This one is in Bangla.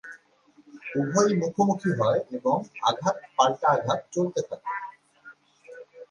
উভয়ই মুখোমুখি হয় এবং আঘাত পাল্টা আঘাত চলতে থাকে।